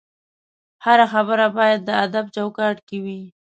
هره خبره باید د ادب چوکاټ کې وي